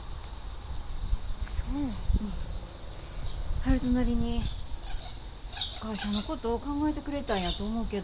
悠人なりに会社のこと考えてくれたんやと思うけど。